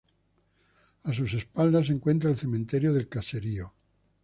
A sus espaldas, se encuentra el cementerio del caserío.